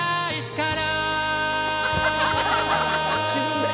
沈んで。